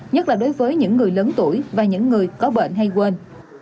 nhất là đối với những người lớn tuổi và những người có bệnh hay quên